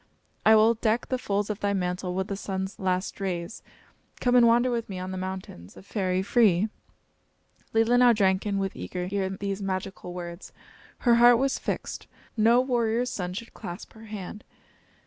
I will deck the folds of thy mantle with the sun's last rays. Come and wander with me on the mountains, a fairy free!" Leelinau drank in with eager ear these magical words. Her heart was fixed. No warrior's son should clasp her hand.